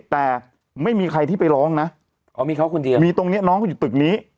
แต่ไม่มีใครที่ไปร้องนะอ๋อมีเขาคนเดียวมีตรงเนี้ยน้องเขาอยู่ตึกนี้